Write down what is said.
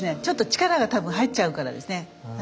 ちょっと力が多分入っちゃうからですね。